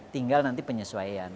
tinggal nanti penyesuaian